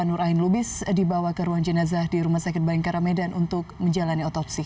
nur ain lubis dibawa ke ruang jenazah di rumah sakit bayangkara medan untuk menjalani otopsi